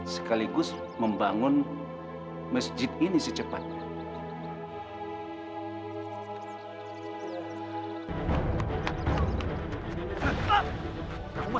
sekaligus membangun masjid ini secepatnya